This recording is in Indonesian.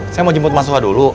saya mau jemput mas suha dulu